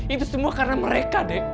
itu semua karena mereka deh